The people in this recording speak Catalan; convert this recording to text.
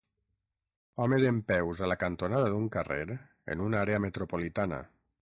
home dempeus a la cantonada d"un carrer en una àrea metropolitana.